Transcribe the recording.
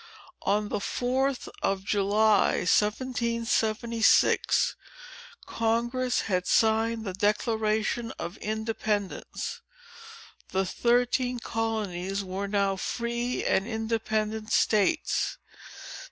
On the 4th of July, 1776, Congress had signed the Declaration of Independence. The thirteen colonies were now free and independent states.